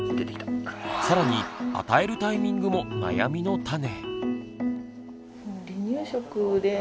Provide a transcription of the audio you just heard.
さらに与えるタイミングも悩みの種。